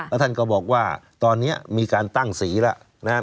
แล้วท่านก็บอกว่าตอนนี้มีการตั้งสีแล้วนะครับ